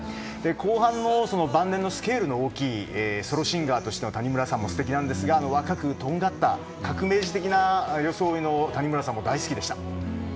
後半の晩年のスケールの大きい谷村さんも素敵ですが若く、とんがった革命児的な装いの谷村さんも大好きでした。